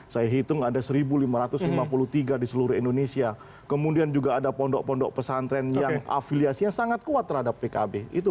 saya hitung ada seribu lima ratus lima puluh tiga di seluruh indonesia kemudian juga ada pondok pondok pesantren yang afiliasinya sangat kuat terhadap pkb